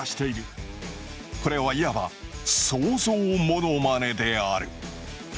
これはいわば想像モノマネである。